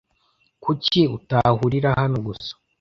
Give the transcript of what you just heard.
Kuki utahurira hano gusa?